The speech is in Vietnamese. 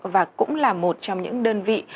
và cũng là một trong những đơn vị